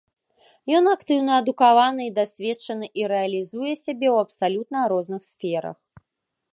Ён актыўны, адукаваны і дасведчаны, і рэалізуе сябе ў абсалютна розных сферах.